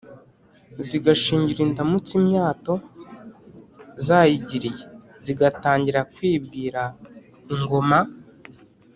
zigashingira indamutsa imyato zayigiriye: zigatangira kwibwira ingoma